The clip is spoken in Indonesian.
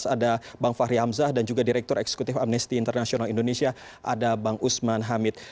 ada bang fahri hamzah dan juga direktur eksekutif amnesty international indonesia ada bang usman hamid